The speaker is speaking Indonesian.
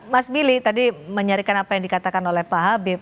mas billy tadi menyarikan apa yang dikatakan oleh pak habib